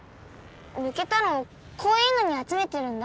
抜けたのこういうのに集めてるんだ